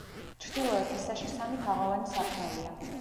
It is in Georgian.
ჩრდილოეთისაში სამი თაღოვანი სარკმელია.